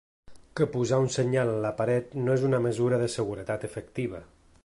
Que posar un senyal en la paret, no és una mesura de seguretat efectiva.